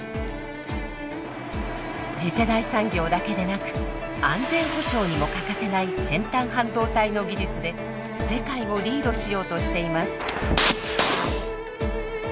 次世代産業だけでなく安全保障にも欠かせない先端半導体の技術で世界をリードしようとしています。